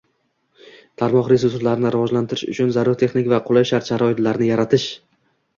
tarmoq resurslarini rivojlantirish uchun zarur texnik va qulay shart-sharoitlarni yaratish;